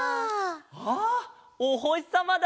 あおほしさまだ！